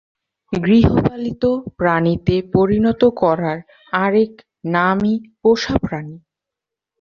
গৃহপালিত প্রাণীতে পরিণত করার আরেক নামই পোষা প্রাণী।